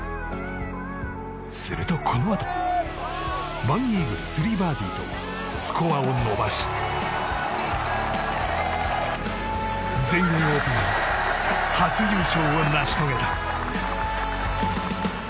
すると、このあと１イーグル、３バーディーとスコアを伸ばし全英オープン初優勝を成し遂げた。